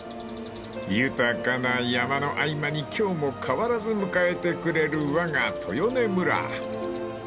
［豊かな山の合間に今日も変わらず迎えてくれるわが豊根村］